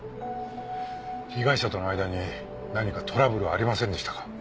被害者との間に何かトラブルはありませんでしたか？